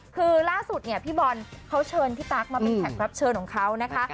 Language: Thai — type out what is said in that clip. คือล่าสุดเนี่ยพี่บอลเขาเชิญพี่ตั๊กมาเป็นแขกรับเชิญของเขานะคะ